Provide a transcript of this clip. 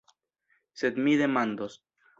Sed mi demandos.